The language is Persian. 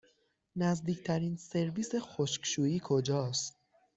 نزدیکترین سرویس خشکشویی کجاست؟